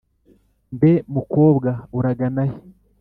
mbe mukobwa uragana he?